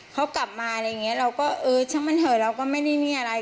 เขากลับมาอะไรอย่างนี้เราก็เออช่างมันเหอะเราก็ไม่ได้มีอะไร